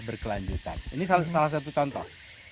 berkelanjutan ini salah satu contoh